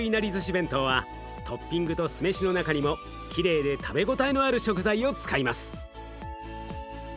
弁当はトッピングと酢飯の中にもきれいで食べ応えのある食材を使います。